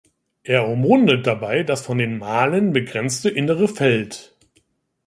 Er umrundet dabei das von den Malen begrenzte innere Feld.